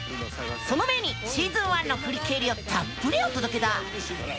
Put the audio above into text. その前にシーズン１の振り返りをたっぷりお届けだ！